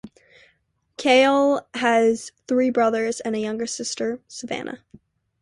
Kahle has three brothers and a younger sister, Savannah.